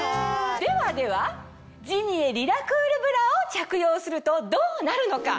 ではではジニエリラクールブラを着用するとどうなるのか。